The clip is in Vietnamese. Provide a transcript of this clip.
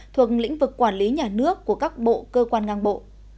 thuộc lĩnh vực quản lý nhà nước của các bộ cơ quan ngang bộ